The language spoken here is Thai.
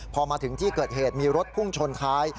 พอมาถึงที่เกิดเหตุมีรถพุ่งชนท้าย